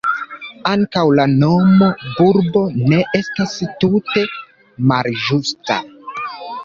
Ankaŭ la nomo bulbo ne estas tute malĝusta.